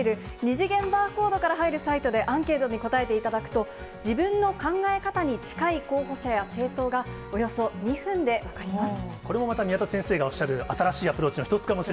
２次元バーコードから入るサイトでアンケートに答えていただくと、自分の考え方に近い候補者や政党がおよそ２分で分かります。